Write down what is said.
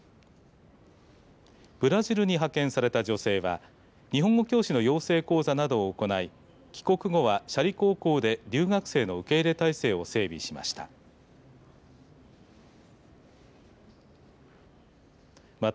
ブラジルに派遣された女性は日本語教師の養成講座などを行い帰国後は斜里高校で留学生の受け入れ態勢を整備しました。